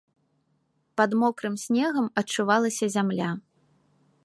Пад мокрым снегам адчувалася зямля.